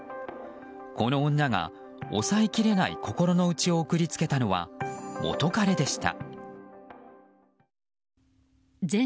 この女が抑えきれない心の内を送り付けたのは、元彼でした。